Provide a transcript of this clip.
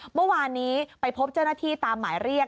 เมื่อวานนี้ไปพบเจ้าหน้าที่ตามหมายเรียก